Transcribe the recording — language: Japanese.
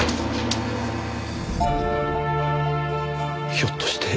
ひょっとして。